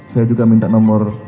saya juga minta nomor